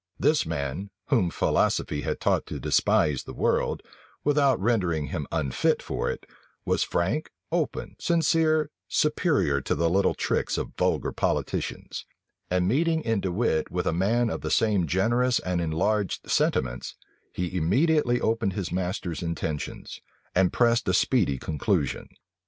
This man, whom philosophy had taught to despise the world, without rendering him unfit for it, was frank, open, sincere, superior to the little tricks of vulgar politicians; and meeting in De Wit with a man of the same generous and enlarged sentiments, he immediately opened his master's intentions, and pressed a speedy conclusion.